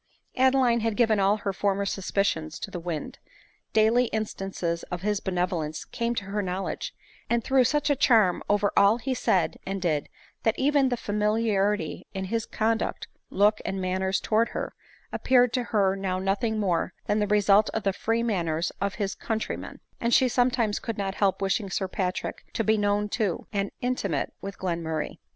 Adeline had given all her former suspicions to the wind ; daily instances of his benevolence came to her knowledge, and threw such a charm over all he said and did, that even the familiarity in his conduct, look and manner towards her, appeared to her now nothing more than the result of the free manners of his countrymen ; and she sometimes could not help wishing Sir Patrick to be known to, and intimate with Glenmurray.